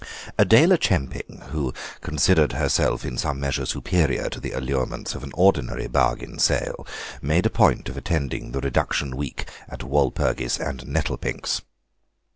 Adela Chemping, who considered herself in some measure superior to the allurements of an ordinary bargain sale, made a point of attending the reduction week at Walpurgis and Nettlepink's.